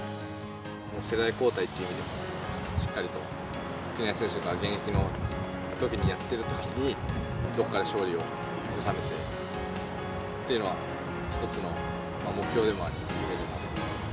世代交代っていう意味でも、しっかりと、国枝選手が現役のときに、やってるときに、どこかで勝利を収めてっていうのは、一つの目標でもあり夢でもあるんで。